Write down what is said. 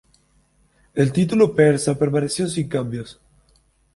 El título persa permaneció sin cambios.